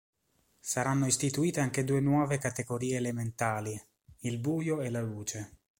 Saranno istituite anche due nuove categorie elementali, il buio e la luce.